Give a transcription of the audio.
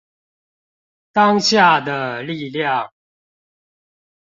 當下的力量